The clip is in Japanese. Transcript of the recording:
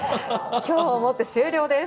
今日をもって終了です。